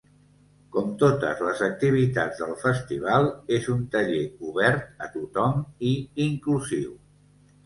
Com totes les activitats del festival, és un taller obert a tothom i inclusiu.